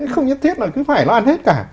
không nhất thiết là cứ phải lo ăn hết cả